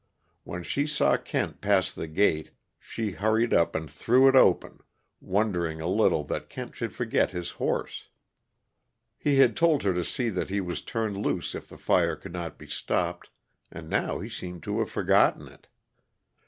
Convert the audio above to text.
When she saw Kent pass the gate, she hurried up and threw it open, wondering a little that Kent should forget his horse. He had told her to see that he was turned loose if the fire could not be stopped and now he seemed to have forgotten it.